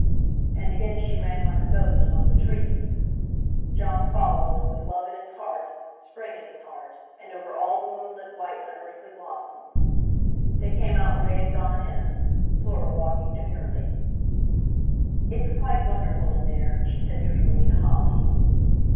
And again she ran like a ghost among the trees. Jon followed, with love in his heart, Spring in his heart, and over all the moonlit white unearthly blossom. They came out where they had gone in, Fleur walking demurely. "It's quite wonderful in there," she said dreamily to Holly.